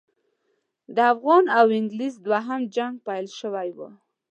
د افغان او انګلیس دوهم جنګ پیل شوی وو.